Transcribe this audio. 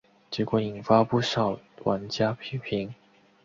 结果引发不少玩家批评。